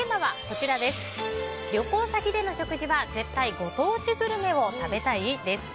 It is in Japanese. テーマは旅行先での食事は絶対ご当地グルメを食べたい？です。